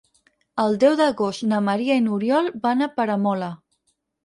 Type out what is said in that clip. El deu d'agost na Maria i n'Oriol van a Peramola.